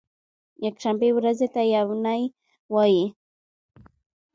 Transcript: یکشنبې ورځې ته یو نۍ وایی